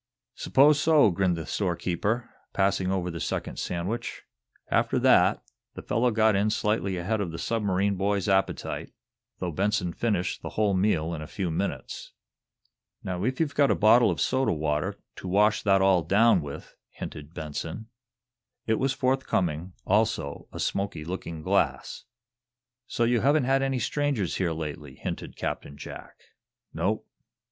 "'Spose so," grinned the storekeeper, passing over the second sandwich. After that, the fellow got in slightly ahead of the submarine boy's appetite, though Benson finished the whole meal in a few minutes. "Now, if you've got a bottle of soda water, to wash that all down with," hinted Benson. It was forthcoming, also a smoky looking glass. "So you haven't had any strangers here lately," hinted Captain Jack. "Nope."